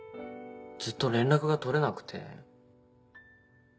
ずっと連絡が取れなくて。